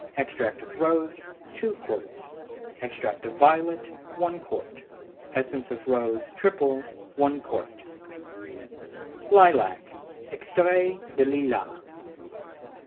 Extract of rose 2 qts. Extract of violet 1 qt. Essence of rose (triple) 1 qt. LILAC (EXTRAIT DE LILAS).